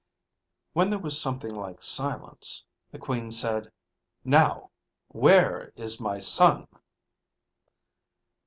When there was something like silence, the Queen said, "Now, where is my son?"